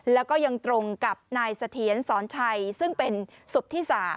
และก็ยังตรงกับนายสเตียนศรชัยซึ่งเป็นสบที่๓